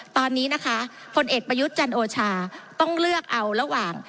ตอนนี้นะคะผลเอกประยุทธ์จันโอชาต้องเลือกเอาระหว่าง